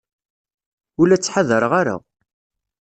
Ur la ttḥadareɣ ara.